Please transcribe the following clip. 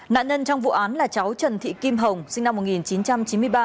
nạn nhân trong vụ án là cháu trần thị kim hồng sinh năm một nghìn chín trăm chín mươi ba